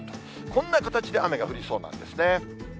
こんな形で、雨が降りそうなんですね。